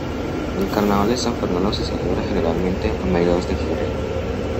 El Carnaval de San Fernando se celebra generalmente a mediados de febrero.